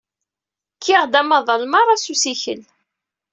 Kkiɣ-d amaḍal merra s usikel.